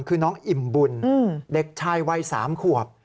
คือน้องอิ่มบุญเด็กชายวัย๓ขวบ